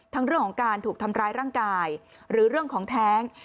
เรื่องของการถูกทำร้ายร่างกายหรือเรื่องของแท้ง